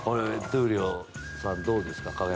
闘莉王さん、どうですか？